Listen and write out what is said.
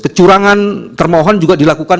kecurangan termohon juga dilakukan